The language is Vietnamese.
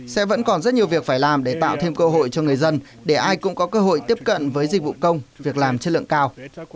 sẽ vẫn còn rất nhiều việc phải làm để tạo thêm cơ hội cho người dân để ai cũng có cơ hội tiếp cận với dịch vụ công việc làm chất lượng cao